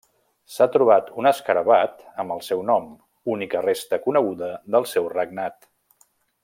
S'ha trobat un escarabat amb el seu nom, única resta coneguda del seu regnat.